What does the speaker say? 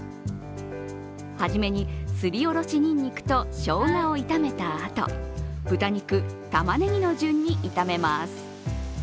初めにすりおろしにんにくとしょうがを炒めたあと、豚肉、玉ねぎの順に炒めます。